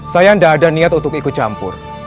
saya tidak ada niat untuk ikut campur